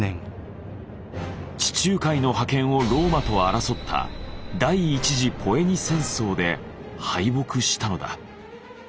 地中海の覇権をローマと争った第１次ポエニ戦争で敗北したのだ。